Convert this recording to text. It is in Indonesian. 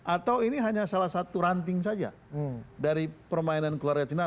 atau ini hanya salah satu ranting saja dari permainan keluarga cina